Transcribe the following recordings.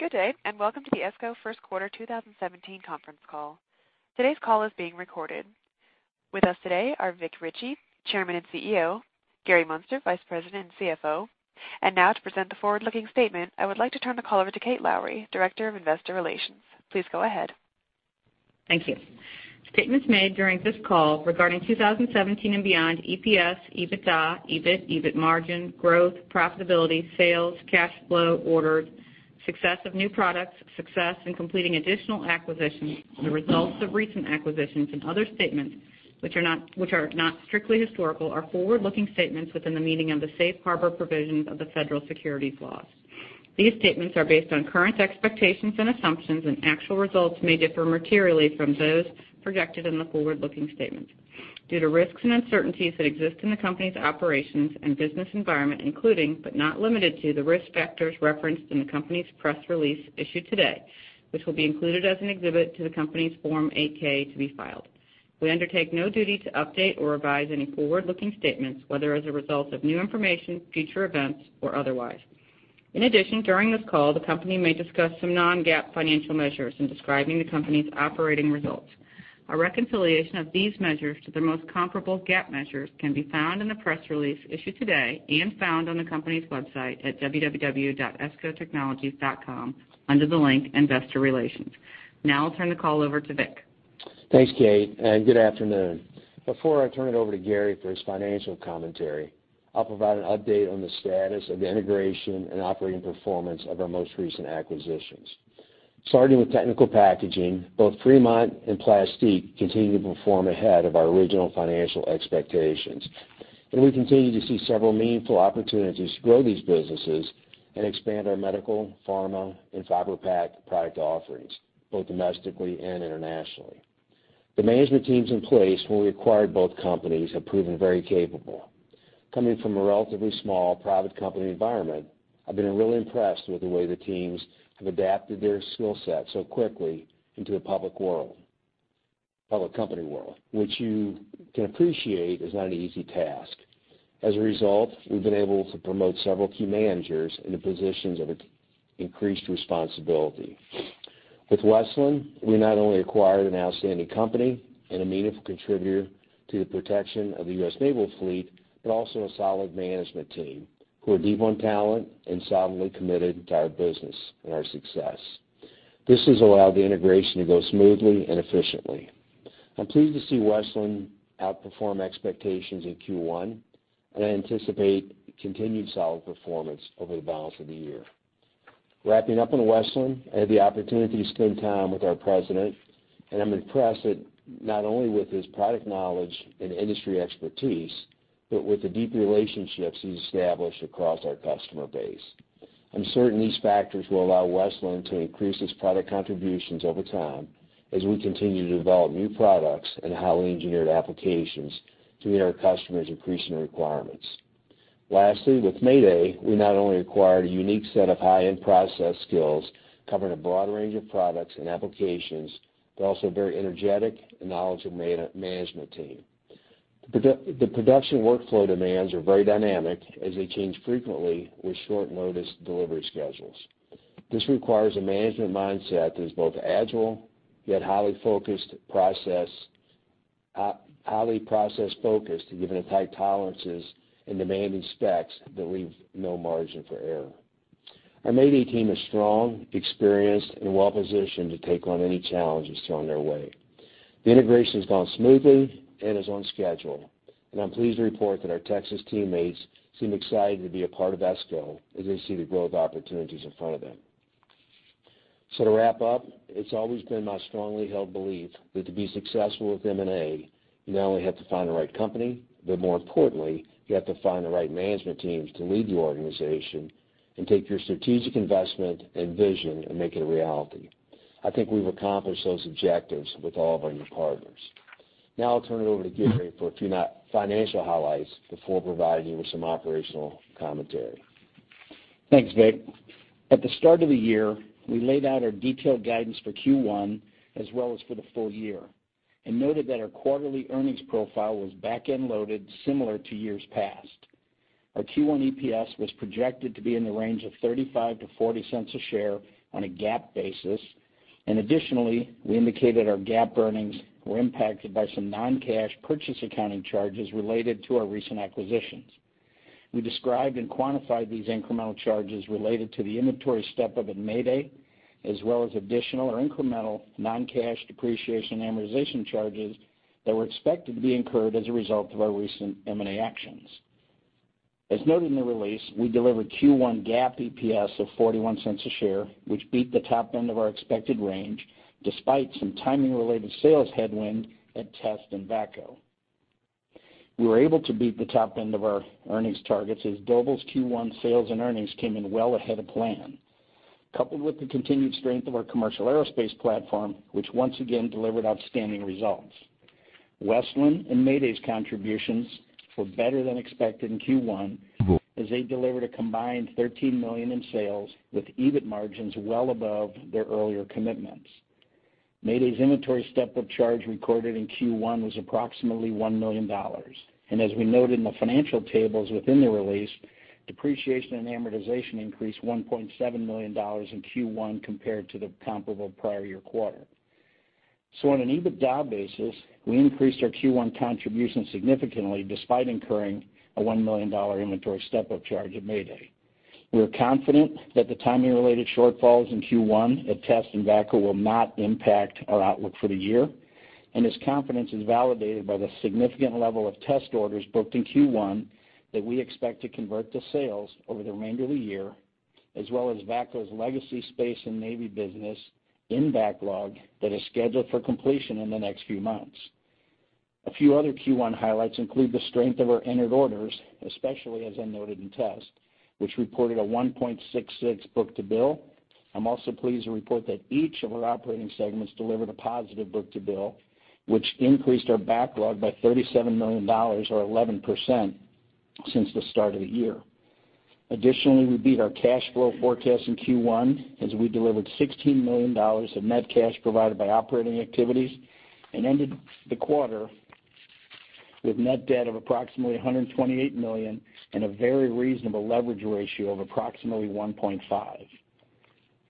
Good day and welcome to the ESCO First Quarter 2017 conference call. Today's call is being recorded. With us today are Vic Richey, Chairman and CEO, Gary Muenster, Vice President and CFO, and now to present the forward-looking statement, I would like to turn the call over to Kate Lowrey, Director of Investor Relations. Please go ahead. Thank you. Statements are made during this call regarding 2017 and beyond EPS, EBITDA, EBIT, EBIT margin, growth, profitability, sales, cash flow, orders, success of new products, success in completing additional acquisitions, the results of recent acquisitions, and other statements which are not strictly historical are forward-looking statements within the meaning of the safe harbor provisions of the federal securities laws. These statements are based on current expectations and assumptions, and actual results may differ materially from those projected in the forward-looking statements due to risks and uncertainties that exist in the company's operations and business environment, including but not limited to the risk factors referenced in the company's press release issued today, which will be included as an exhibit to the company's Form 8-K to be filed. We undertake no duty to update or revise any forward-looking statements, whether as a result of new information, future events, or otherwise. In addition, during this call, the company may discuss some non-GAAP financial measures in describing the company's operating results. A reconciliation of these measures to their most comparable GAAP measures can be found in the press release issued today and found on the company's website at www.escotechnologies.com under the link Investor Relations. Now I'll turn the call over to Vic. Thanks, Kate, and good afternoon. Before I turn it over to Gary for his financial commentary, I'll provide an update on the status of the integration and operating performance of our most recent acquisitions. Starting with technical packaging, both Fremont and Plastique continue to perform ahead of our original financial expectations, and we continue to see several meaningful opportunities to grow these businesses and expand our medical, pharma, and fiber pack product offerings, both domestically and internationally. The management teams in place when we acquired both companies have proven very capable. Coming from a relatively small private company environment, I've been really impressed with the way the teams have adapted their skill set so quickly into the public company world, which you can appreciate is not an easy task. As a result, we've been able to promote several key managers into positions of increased responsibility. With Westland, we not only acquired an outstanding company and a meaningful contributor to the protection of the U.S. Naval Fleet but also a solid management team who are deep on talent and solidly committed to our business and our success. This has allowed the integration to go smoothly and efficiently. I'm pleased to see Westland outperform expectations in Q1, and I anticipate continued solid performance over the balance of the year. Wrapping up on Westland, I had the opportunity to spend time with our president, and I'm impressed not only with his product knowledge and industry expertise but with the deep relationships he's established across our customer base. I'm certain these factors will allow Westland to increase his product contributions over time as we continue to develop new products and highly engineered applications to meet our customers' increasing requirements. Lastly, with Mayday, we not only acquired a unique set of high-end process skills covering a broad range of products and applications but also a very energetic and knowledgeable management team. The production workflow demands are very dynamic as they change frequently with short-notice delivery schedules. This requires a management mindset that is both agile yet highly process-focused given the tight tolerances and demanding specs that leave no margin for error. Our Mayday team is strong, experienced, and well-positioned to take on any challenges thrown their way. The integration has gone smoothly and is on schedule, and I'm pleased to report that our Texas teammates seem excited to be a part of ESCO as they see the growth opportunities in front of them. To wrap up, it's always been my strongly held belief that to be successful with M&A, you not only have to find the right company, but more importantly, you have to find the right management teams to lead the organization and take your strategic investment and vision and make it a reality. I think we've accomplished those objectives with all of our new partners. Now I'll turn it over to Gary for a few financial highlights before providing you with some operational commentary. Thanks, Vic. At the start of the year, we laid out our detailed guidance for Q1 as well as for the full year and noted that our quarterly earnings profile was back-end loaded similar to years past. Our Q1 EPS was projected to be in the range of $0.35-$0.40 a share on a GAAP basis, and additionally, we indicated our GAAP earnings were impacted by some non-cash purchase accounting charges related to our recent acquisitions. We described and quantified these incremental charges related to the inventory step-up at Mayday as well as additional or incremental non-cash depreciation and amortization charges that were expected to be incurred as a result of our recent M&A actions. As noted in the release, we delivered Q1 GAAP EPS of $0.41 a share, which beat the top end of our expected range despite some timing-related sales headwind at Test and VACCO. We were able to beat the top end of our earnings targets as Doble's Q1 sales and earnings came in well ahead of plan, coupled with the continued strength of our commercial aerospace platform, which once again delivered outstanding results. Westland and Mayday's contributions were better than expected in Q1 as they delivered a combined $13 million in sales with EBIT margins well above their earlier commitments. Mayday's inventory step-up charge recorded in Q1 was approximately $1 million, and as we noted in the financial tables within the release, depreciation and amortization increased $1.7 million in Q1 compared to the comparable prior-year quarter. So on an EBITDA basis, we increased our Q1 contribution significantly despite incurring a $1 million inventory step-up charge at Mayday. We are confident that the timing-related shortfalls in Q1 at Test and VACCO will not impact our outlook for the year, and this confidence is validated by the significant level of test orders booked in Q1 that we expect to convert to sales over the remainder of the year as well as VACCO's legacy space and Navy business in backlog that is scheduled for completion in the next few months. A few other Q1 highlights include the strength of our entered orders, especially as I noted in Test, which reported a 1.66 book-to-bill. I'm also pleased to report that each of our operating segments delivered a positive book-to-bill, which increased our backlog by $37 million or 11% since the start of the year. Additionally, we beat our cash flow forecast in Q1 as we delivered $16 million of net cash provided by operating activities and ended the quarter with net debt of approximately $128 million and a very reasonable leverage ratio of approximately 1.5.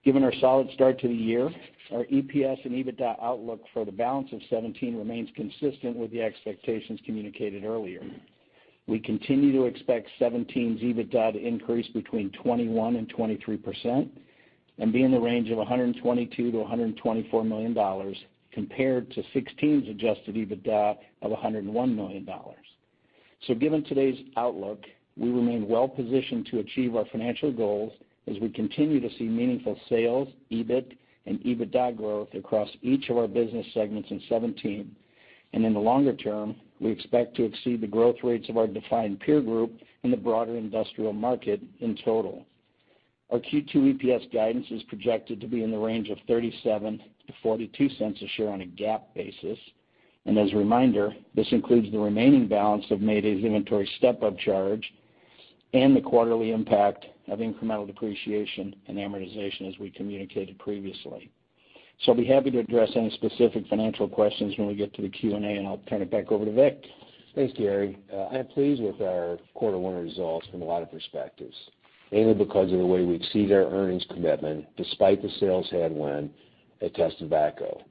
Given our solid start to the year, our EPS and EBITDA outlook for the balance of 2017 remains consistent with the expectations communicated earlier. We continue to expect 2017's EBITDA to increase between 21% and 23% and be in the range of $122-$124 million compared to 2016's adjusted EBITDA of $101 million. Given today's outlook, we remain well-positioned to achieve our financial goals as we continue to see meaningful sales, EBIT, and EBITDA growth across each of our business segments in 2017, and in the longer term, we expect to exceed the growth rates of our defined peer group and the broader industrial market in total. Our Q2 EPS guidance is projected to be in the range of $0.37-$0.42 a share on a GAAP basis, and as a reminder, this includes the remaining balance of Mayday's inventory step-up charge and the quarterly impact of incremental depreciation and amortization as we communicated previously. So I'll be happy to address any specific financial questions when we get to the Q&A, and I'll turn it back over to Vic. Thanks, Gary. I am pleased with our quarter one results from a lot of perspectives, mainly because of the way we exceeded our earnings commitment despite the sales headwind at Test and VACCO.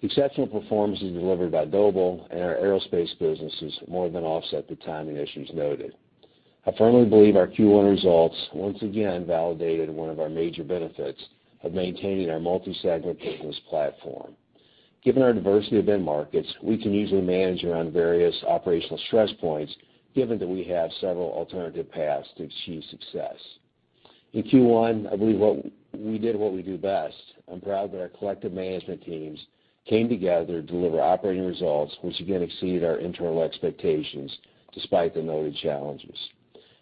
The exceptional performance is delivered by Doble and our aerospace business is more than offset the timing issues noted. I firmly believe our Q1 results once again validated one of our major benefits of maintaining our multi-segment business platform. Given our diversity of end markets, we can usually manage around various operational stress points given that we have several alternative paths to achieve success. In Q1, I believe we did what we do best. I'm proud that our collective management teams came together to deliver operating results which again exceeded our internal expectations despite the noted challenges.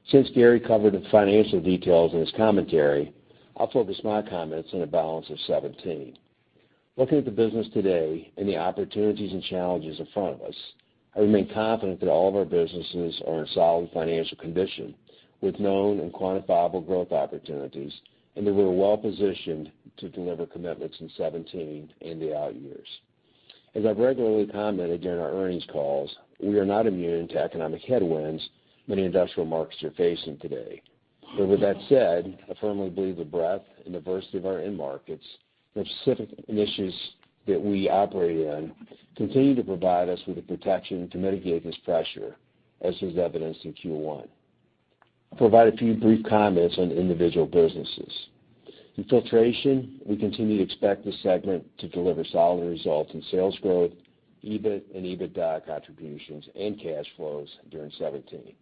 Since Gary covered the financial details in his commentary, I'll focus my comments on the balance of 2017. Looking at the business today and the opportunities and challenges in front of us, I remain confident that all of our businesses are in solid financial condition with known and quantifiable growth opportunities, and that we're well-positioned to deliver commitments in 2017 and the out years. As I've regularly commented during our earnings calls, we are not immune to economic headwinds many industrial markets are facing today. But with that said, I firmly believe the breadth and diversity of our end markets and specific initiatives that we operate in continue to provide us with the protection to mitigate this pressure, as was evidenced in Q1. I'll provide a few brief comments on individual businesses. In filtration, we continue to expect this segment to deliver solid results in sales growth, EBIT, and EBITDA contributions and cash flows during 2017.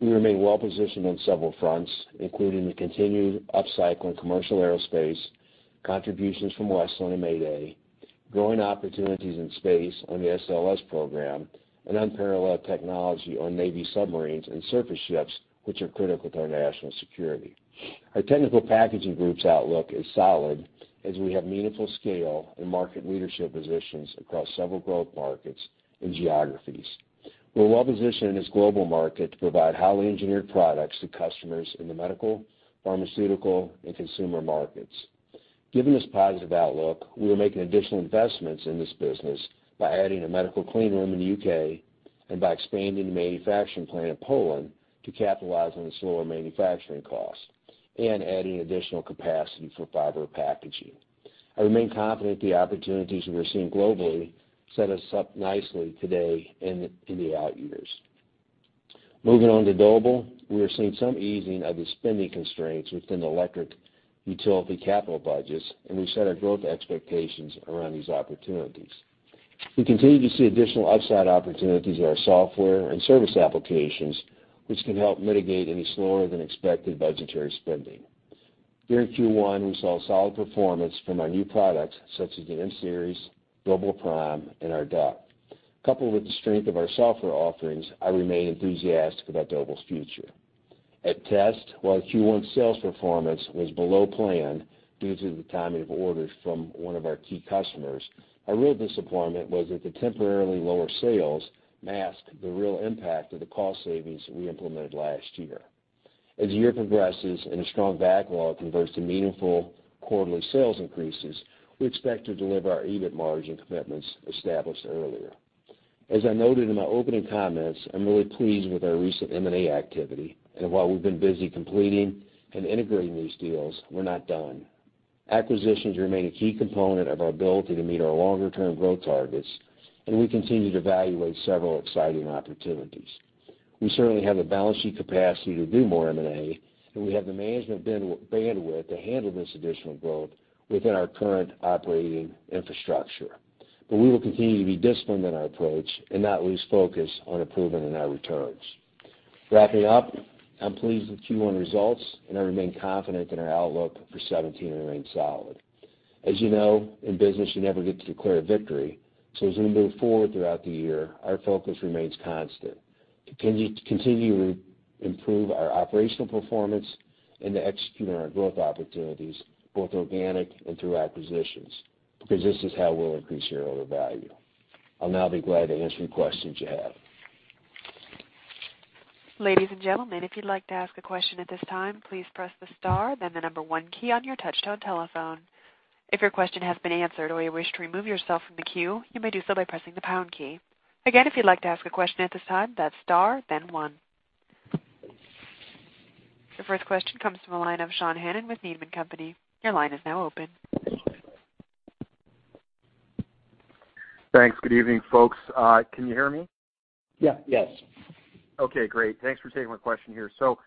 We remain well-positioned on several fronts, including the continued upcycle in commercial aerospace, contributions from Westland and Mayday, growing opportunities in space on the SLS program, and unparalleled technology on Navy submarines and surface ships which are critical to our national security. Our technical packaging group's outlook is solid as we have meaningful scale and market leadership positions across several growth markets and geographies. We're well-positioned in this global market to provide highly engineered products to customers in the medical, pharmaceutical, and consumer markets. Given this positive outlook, we are making additional investments in this business by adding a medical cleanroom in the U.K. and by expanding the manufacturing plant in Poland to capitalize on the slower manufacturing costs and adding additional capacity for fiber packaging. I remain confident the opportunities we're seeing globally set us up nicely today and in the out years. Moving on to Doble, we are seeing some easing of the spending constraints within the electric utility capital budgets, and we set our growth expectations around these opportunities. We continue to see additional upside opportunities in our software and service applications which can help mitigate any slower-than-expected budgetary spending. During Q1, we saw solid performance from our new products such as the M-Series, Doble Prime, and our DUC. Coupled with the strength of our software offerings, I remain enthusiastic about Doble's future. At Test, while Q1 sales performance was below plan due to the timing of orders from one of our key customers, our real disappointment was that the temporarily lower sales masked the real impact of the cost savings we implemented last year. As the year progresses and a strong backlog converts to meaningful quarterly sales increases, we expect to deliver our EBIT margin commitments established earlier. As I noted in my opening comments, I'm really pleased with our recent M&A activity, and while we've been busy completing and integrating these deals, we're not done. Acquisitions remain a key component of our ability to meet our longer-term growth targets, and we continue to evaluate several exciting opportunities. We certainly have the balance sheet capacity to do more M&A, and we have the management bandwidth to handle this additional growth within our current operating infrastructure. But we will continue to be disciplined in our approach and not lose focus on improving in our returns. Wrapping up, I'm pleased with Q1 results, and I remain confident that our outlook for 2017 remains solid. As you know, in business, you never get to declare a victory, so as we move forward throughout the year, our focus remains constant: to continue to improve our operational performance and to execute on our growth opportunities both organic and through acquisitions because this is how we'll increase year-over-year value. I'll now be glad to answer any questions you have. Ladies and gentlemen, if you'd like to ask a question at this time, please press the star, then the number 1 key on your touch-tone telephone. If your question has been answered or you wish to remove yourself from the queue, you may do so by pressing the pound key. Again, if you'd like to ask a question at this time, that's star, then 1. Your first question comes from a line of Sean Hannan with Needham & Company. Your line is now open. Thanks. Good evening, folks. Can you hear me? Yeah. Yes. Okay. Great. Thanks for taking my question here. So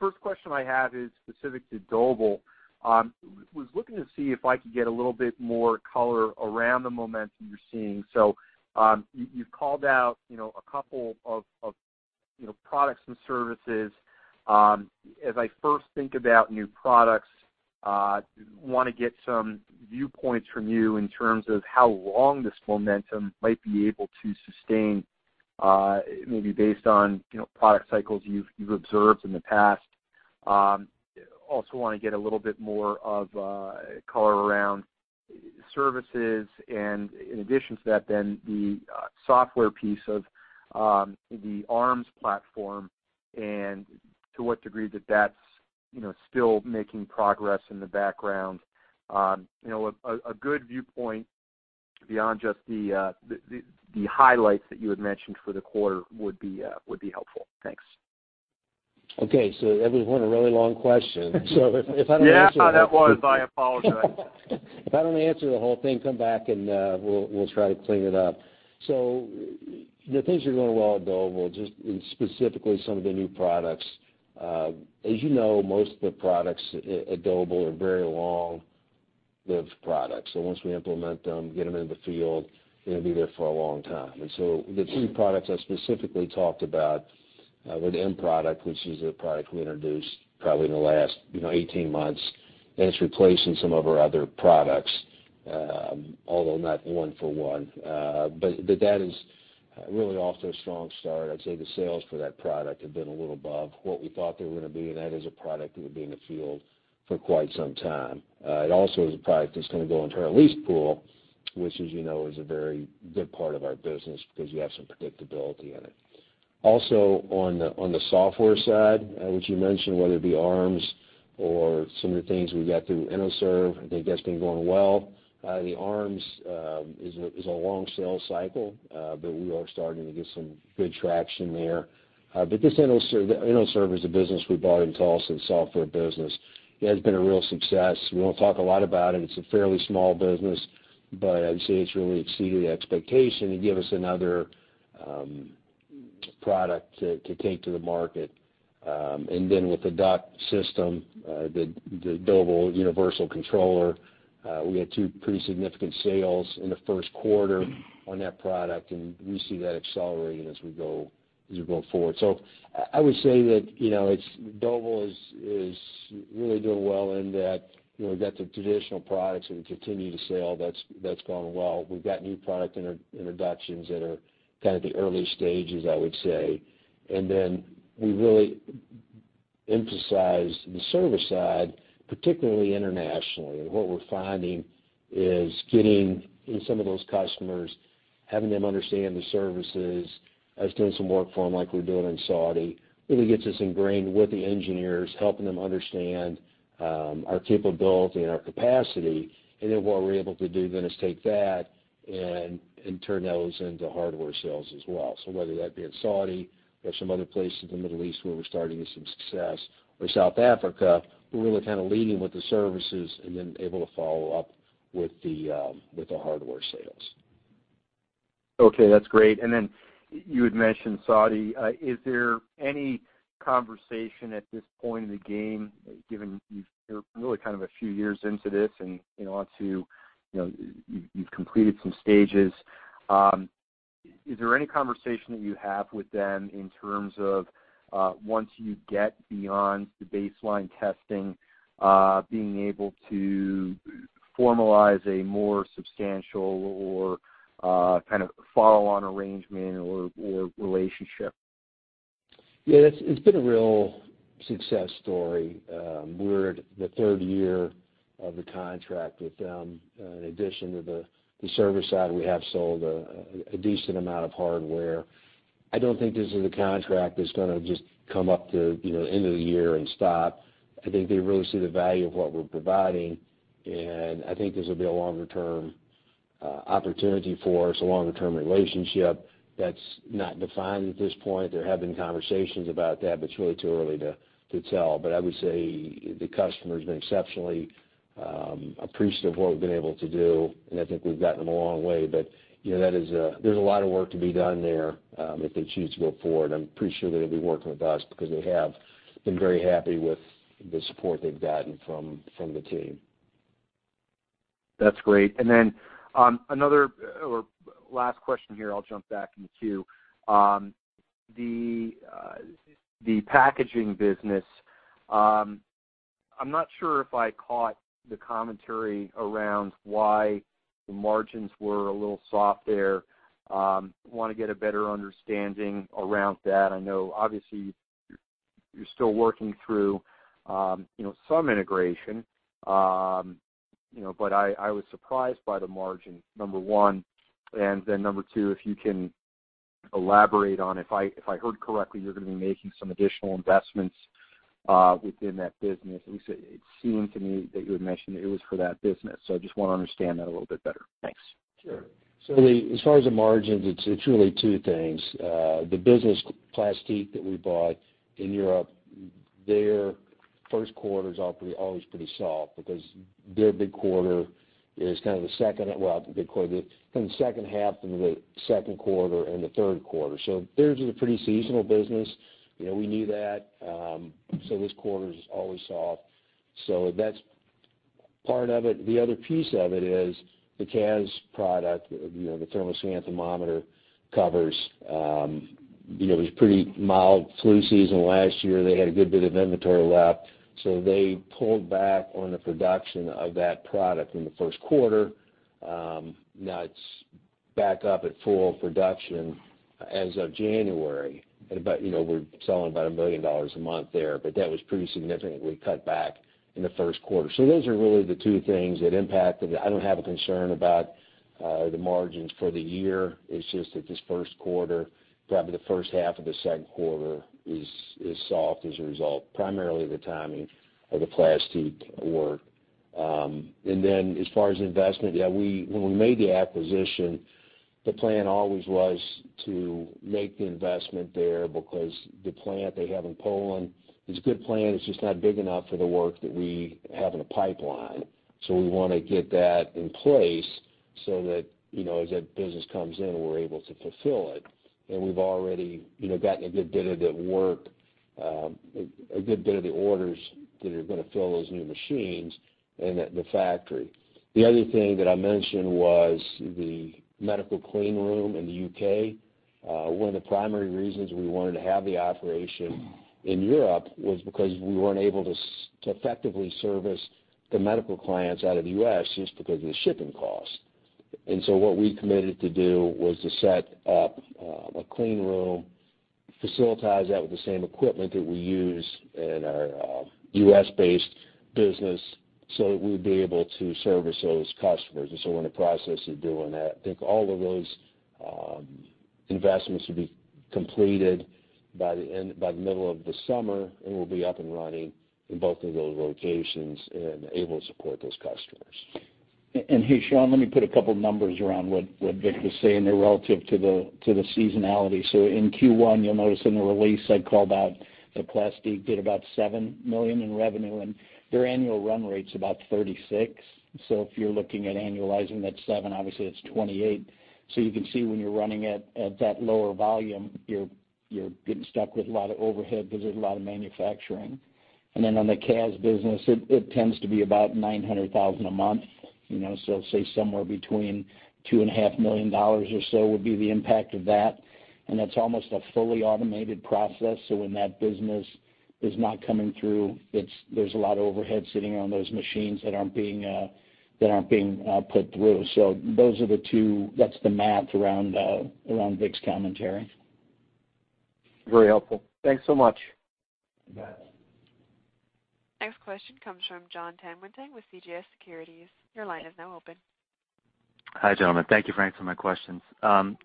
first question I have is specific to Doble. I was looking to see if I could get a little bit more color around the momentum you're seeing. So you've called out a couple of products and services. As I first think about new products, I want to get some viewpoints from you in terms of how long this momentum might be able to sustain, maybe based on product cycles you've observed in the past. I also want to get a little bit more color around services, and in addition to that, then the software piece of the ARMS platform and to what degree that that's still making progress in the background. A good viewpoint beyond just the highlights that you had mentioned for the quarter would be helpful. Thanks. Okay. So that was one really long question. So if I don't answer the whole. Yeah. That was. I apologize. If I don't answer the whole thing, come back and we'll try to clean it up. The things are going well at Doble, just specifically some of the new products. As you know, most of the products at Doble are very long-lived products. Once we implement them, get them into the field, they're going to be there for a long time. The three products I specifically talked about were the M product, which is a product we introduced probably in the last 18 months, and it's replacing some of our other products, although not one-for-one. That is really off to a strong start. I'd say the sales for that product have been a little above what we thought they were going to be, and that is a product that would be in the field for quite some time. It also is a product that's going to go into our lease pool, which, as you know, is a very good part of our business because you have some predictability in it. Also, on the software side, which you mentioned, whether it be ARMS or some of the things we got through ENOSERV, I think that's been going well. The ARMS is a long sales cycle, but we are starting to get some good traction there. But this ENOSERV is a business we bought in Tulsa, the software business. It has been a real success. We don't talk a lot about it. It's a fairly small business, but I'd say it's really exceeded expectation to give us another product to take to the market. And then with the DUC system, the Doble Universal Controller, we had two pretty significant sales in the first quarter on that product, and we see that accelerating as we go forward. So I would say that Doble is really doing well in that we've got the traditional products that we continue to sell. That's gone well. We've got new product introductions that are kind of the early stages, I would say. And then we really emphasize the service side, particularly internationally. And what we're finding is getting some of those customers, having them understand the services, us doing some work for them like we're doing in Saudi, really gets us ingrained with the engineers, helping them understand our capability and our capacity. And then what we're able to do then is take that and turn those into hardware sales as well. So whether that be in Saudi, we have some other places in the Middle East where we're starting to see some success, or South Africa, we're really kind of leading with the services and then able to follow up with the hardware sales. Okay. That's great. And then you had mentioned Saudi. Is there any conversation at this point in the game, given you're really kind of a few years into this and onto you've completed some stages? Is there any conversation that you have with them in terms of once you get beyond the baseline testing, being able to formalize a more substantial or kind of follow-on arrangement or relationship? Yeah. It's been a real success story. We're at the third year of the contract with them. In addition to the service side, we have sold a decent amount of hardware. I don't think this is a contract that's going to just come up to the end of the year and stop. I think they really see the value of what we're providing, and I think this will be a longer-term opportunity for us, a longer-term relationship that's not defined at this point. There have been conversations about that, but it's really too early to tell. But I would say the customer has been exceptionally appreciative of what we've been able to do, and I think we've gotten them a long way. But there's a lot of work to be done there if they choose to go forward. I'm pretty sure they'll be working with us because they have been very happy with the support they've gotten from the team. That's great. And then another or last question here. I'll jump back in the queue. The packaging business, I'm not sure if I caught the commentary around why the margins were a little soft there. I want to get a better understanding around that. I know, obviously, you're still working through some integration, but I was surprised by the margin, number one. And then number two, if you can elaborate on if I heard correctly, you're going to be making some additional investments within that business. At least it seemed to me that you had mentioned it was for that business. So I just want to understand that a little bit better. Thanks. Sure. So as far as the margins, it's really two things. The Plastique business that we bought in Europe, their first quarter's always pretty soft because their big quarter is kind of the second, big quarter, kind of the second half of the second quarter and the third quarter. So theirs is a pretty seasonal business. We knew that. So this quarter's always soft. So that's part of it. The other piece of it is the Kaz product, the thermal scan thermometer covers. It was a pretty mild flu season last year. They had a good bit of inventory left, so they pulled back on the production of that product in the first quarter. Now it's back up at full production as of January. And we're selling about $1 million a month there, but that was pretty significantly cut back in the first quarter. So those are really the two things that impacted it. I don't have a concern about the margins for the year. It's just that this first quarter, probably the first half of the second quarter, is soft as a result, primarily the timing of the Plastique work. And then as far as investment, yeah, when we made the acquisition, the plan always was to make the investment there because the plant they have in Poland is a good plant. It's just not big enough for the work that we have in the pipeline. So we want to get that in place so that as that business comes in, we're able to fulfill it. And we've already gotten a good bit of the work, a good bit of the orders that are going to fill those new machines and the factory. The other thing that I mentioned was the medical cleanroom in the U.K. One of the primary reasons we wanted to have the operation in Europe was because we weren't able to effectively service the medical clients out of the U.S. just because of the shipping costs. And so what we committed to do was to set up a cleanroom, facilitate that with the same equipment that we use in our U.S.-based business so that we'd be able to service those customers. And so we're in the process of doing that. I think all of those investments will be completed by the middle of the summer and will be up and running in both of those locations and able to support those customers. Hey, Sean, let me put a couple of numbers around what Victor's saying there relative to the seasonality. So in Q1, you'll notice in the release, I called out the Plastique did about $7 million in revenue, and their annual run rate's about $36 million. So if you're looking at annualizing that $7 million, obviously, that's $28 million. So you can see when you're running at that lower volume, you're getting stuck with a lot of overhead because there's a lot of manufacturing. And then on the Kaz business, it tends to be about $900,000 a month. So say somewhere between $2-$2.5 million or so would be the impact of that. And that's almost a fully automated process. So when that business is not coming through, there's a lot of overhead sitting around those machines that aren't being put through. So those are the two. That's the math around Victor's commentary. Very helpful. Thanks so much. You bet. Next question comes from John Tanwanteng with CJS Securities. Your line is now open. Hi, gentlemen. Thank you, Frank, for my questions.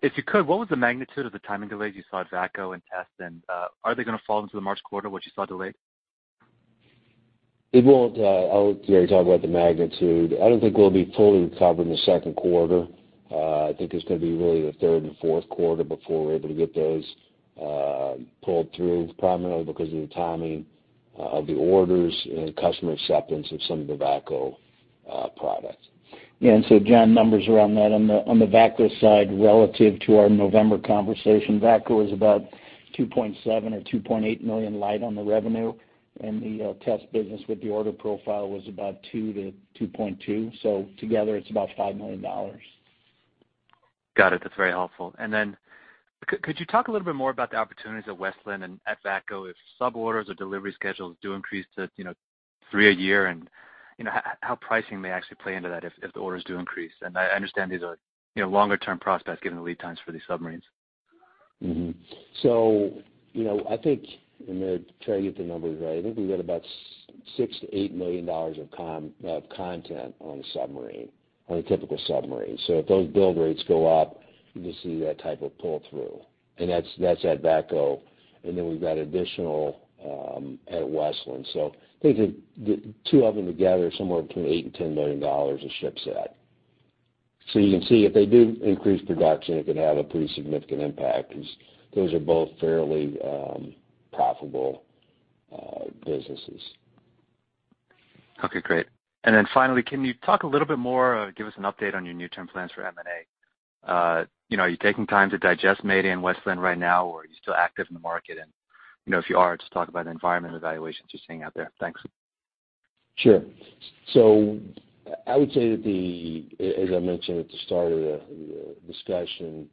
If you could, what was the magnitude of the timing delays you saw at VACCO and Test? And are they going to fall into the March quarter, what you saw delayed? I'll let Gary talk about the magnitude. I don't think we'll be fully recovered in the second quarter. I think it's going to be really the third and fourth quarter before we're able to get those pulled through, primarily because of the timing of the orders and customer acceptance of some of the VACCO products. Yeah. John, numbers around that. On the VACCO side relative to our November conversation, VACCO was about $2.7 million or $2.8 million light on the revenue, and the Test business with the order profile was about $2 million-$2.2 million. So together, it's about $5 million. Got it. That's very helpful. And then could you talk a little bit more about the opportunities at Westland and at VACCO if suborders or delivery schedules do increase to 3 a year and how pricing may actually play into that if the orders do increase? And I understand these are longer-term prospects given the lead times for these submarines. So I think I'm going to try to get the numbers right. I think we've got about $6 million-$8 million of content on a submarine, on a typical submarine. So if those build rates go up, you can see that type of pull-through. And that's at VACCO. And then we've got additional at Westland. So I think two of them together are somewhere between $8 million-$10 million a ship set. So you can see if they do increase production, it can have a pretty significant impact because those are both fairly profitable businesses. Okay. Great. And then finally, can you talk a little bit more, give us an update on your near-term plans for M&A? Are you taking time to digest Mayday and Westland right now, or are you still active in the market? And if you are, just talk about the environment, the valuations you're seeing out there. Thanks. Sure. So I would say that, as I mentioned at the start of the discussion,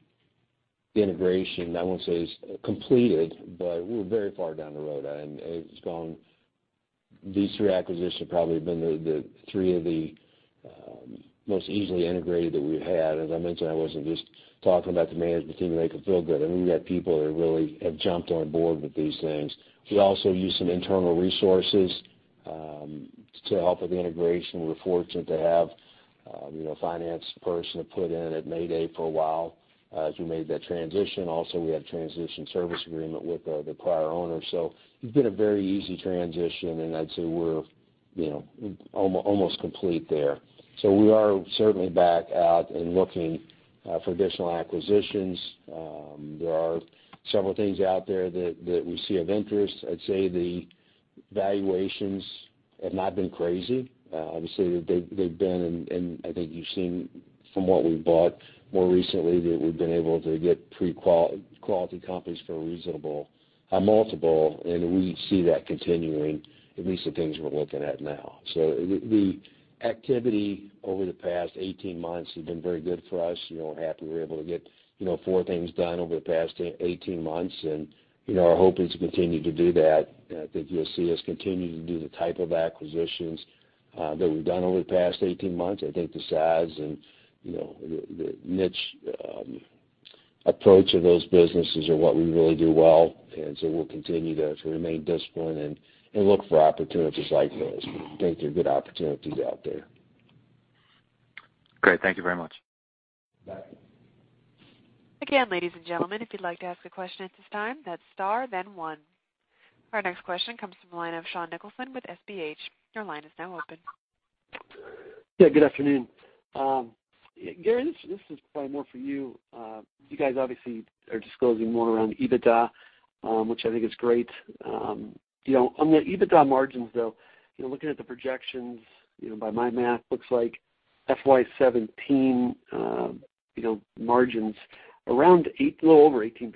the integration, I won't say it's completed, but we're very far down the road. These three acquisitions have probably been the three of the most easily integrated that we've had. As I mentioned, I wasn't just talking about the management team to make it feel good. I mean, we've got people that really have jumped on board with these things. We also use some internal resources to help with the integration. We're fortunate to have a finance person to put in at Mayday for a while as we made that transition. Also, we had a transition service agreement with the prior owner. So it's been a very easy transition, and I'd say we're almost complete there. So we are certainly back out and looking for additional acquisitions. There are several things out there that we see of interest. I'd say the valuations have not been crazy. Obviously, they've been and I think you've seen from what we bought more recently that we've been able to get pre-quality companies for multiple, and we see that continuing, at least the things we're looking at now. So the activity over the past 18 months has been very good for us. We're happy we were able to get four things done over the past 18 months, and our hope is to continue to do that. And I think you'll see us continue to do the type of acquisitions that we've done over the past 18 months. I think the size and the niche approach of those businesses are what we really do well. And so we'll continue to remain disciplined and look for opportunities like this. I think there are good opportunities out there. Great. Thank you very much. You bet. Again, ladies and gentlemen, if you'd like to ask a question at this time, that's star, then one. Our next question comes from the line of Sean Nicholson with SBH. Your line is now open. Yeah. Good afternoon. Gary, this is probably more for you. You guys obviously are disclosing more around EBITDA, which I think is great. On the EBITDA margins, though, looking at the projections by my math, it looks like FY 2017 margins around a little over 18%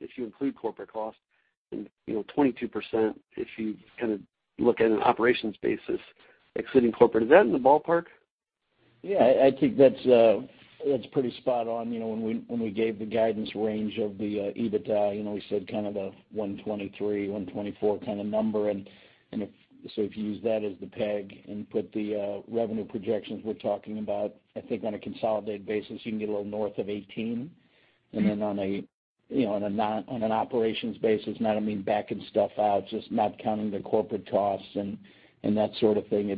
if you include corporate costs and 22% if you kind of look at an operations basis exceeding corporate. Is that in the ballpark? Yeah. I think that's pretty spot on. When we gave the guidance range of the EBITDA, we said kind of a $123-$124 kind of number. And so if you use that as the peg and put the revenue projections we're talking about, I think on a consolidated basis, you can get a little north of 18%. And then on an operations basis, now I mean backing stuff out, just not counting the corporate costs and that sort of thing,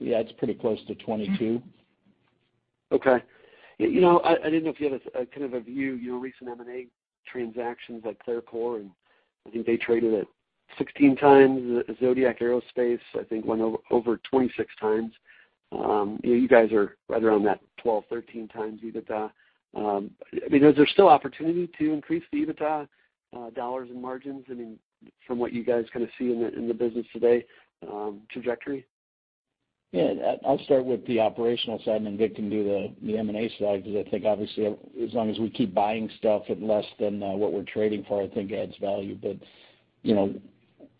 yeah, it's pretty close to 22%. Okay. I didn't know if you had kind of a view. Recent M&A transactions at Clarcor, and I think they traded at 16 times. Zodiac Aerospace, I think, went over 26 times. You guys are right around that 12-13 times EBITDA. I mean, is there still opportunity to increase the EBITDA dollars and margins? I mean, from what you guys kind of see in the business today trajectory? Yeah. I'll start with the operational side, and then Victor can do the M&A side because I think, obviously, as long as we keep buying stuff at less than what we're trading for, I think adds value. But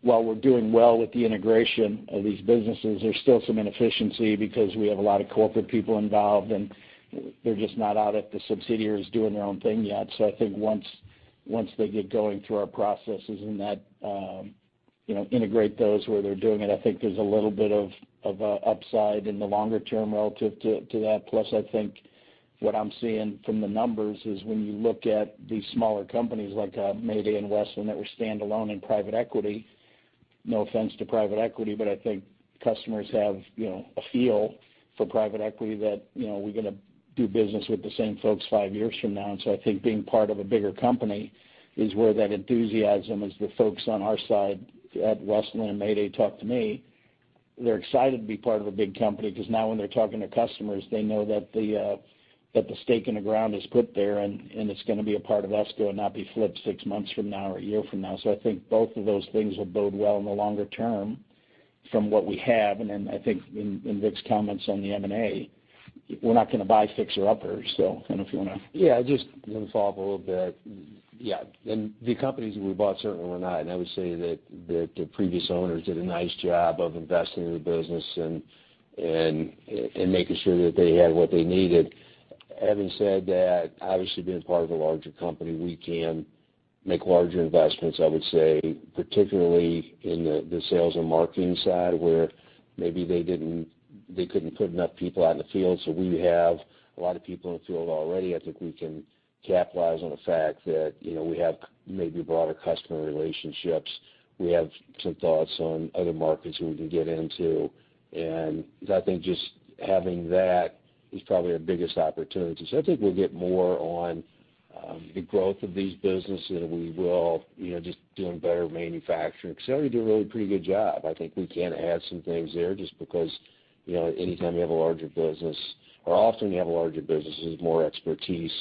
while we're doing well with the integration of these businesses, there's still some inefficiency because we have a lot of corporate people involved, and they're just not out at the subsidiaries doing their own thing yet. So I think once they get going through our processes and integrate those where they're doing it, I think there's a little bit of upside in the longer term relative to that. Plus, I think what I'm seeing from the numbers is when you look at these smaller companies like Mayday and Westland that were standalone in private equity, no offense to private equity, but I think customers have a feel for private equity that we're going to do business with the same folks five years from now. And so I think being part of a bigger company is where that enthusiasm is. The folks on our side at Westland and Mayday talked to me. They're excited to be part of a big company because now when they're talking to customers, they know that the stake in the ground is put there, and it's going to be a part of ESCO and not be flipped six months from now or a year from now. So I think both of those things will bode well in the longer term from what we have. And then I think in Victor's comments on the M&A, we're not going to buy fixer-uppers, so. I don't know if you want to. Yeah. Just to follow up a little bit, yeah, the companies that we bought certainly were not. And I would say that the previous owners did a nice job of investing in the business and making sure that they had what they needed. Having said that, obviously, being part of a larger company, we can make larger investments, I would say, particularly in the sales and marketing side where maybe they couldn't put enough people out in the field. So we have a lot of people in the field already. I think we can capitalize on the fact that we have maybe broader customer relationships. We have some thoughts on other markets that we can get into. I think just having that is probably our biggest opportunity. So I think we'll get more on the growth of these businesses than we will just doing better manufacturing because they already do a really pretty good job. I think we can add some things there just because anytime you have a larger business or often you have a larger business, there's more expertise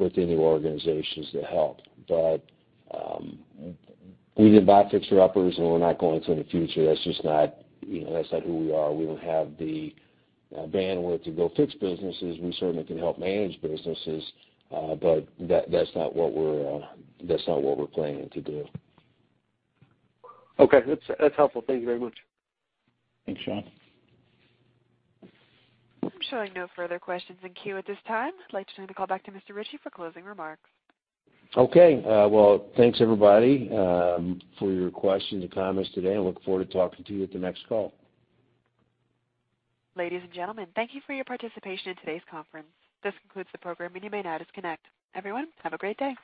within the organizations that help. But we didn't buy fixer-uppers, and we're not going to in the future. That's just not who we are. We don't have the bandwidth to go fix businesses. We certainly can help manage businesses, but that's not what we're planning to do. Okay. That's helpful. Thank you very much. Thanks, Sean. I'm showing no further questions in queue at this time. I'd like to turn the call back to Mr. Richey for closing remarks. Okay. Well, thanks, everybody, for your questions and comments today. I look forward to talking to you at the next call. Ladies and gentlemen, thank you for your participation in today's conference. This concludes the program, and you may now disconnect. Everyone, have a great day.